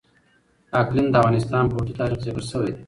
اقلیم د افغانستان په اوږده تاریخ کې ذکر شوی دی.